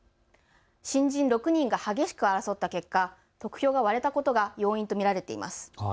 新人６人が激しく争った結果、得票が割れたことが要因と見られています。